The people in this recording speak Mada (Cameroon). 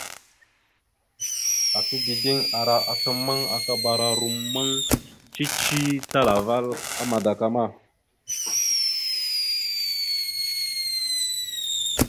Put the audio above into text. Ata dideŋ ara ata ammaŋ akabara rommaŋ cici talaval a madakama.